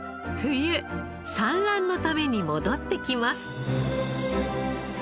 冬産卵のために戻ってきます。